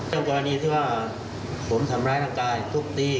กรณีที่ว่าผมทำร้ายร่างกายทุบตี